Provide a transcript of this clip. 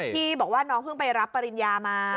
ที่บอกว่าน้องเพิ่งไปรับปริญญามา